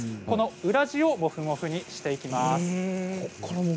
この裏地をもふもふにしていきます。